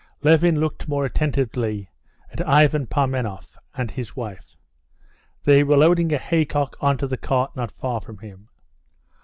Levin looked more attentively at Ivan Parmenov and his wife. They were loading a haycock onto the cart not far from him.